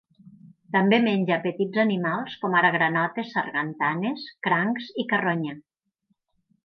També menja petits animals, com ara granotes, sargantanes, crancs i carronya.